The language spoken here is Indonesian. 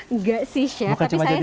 nggak sih chef tapi saya sering balik balik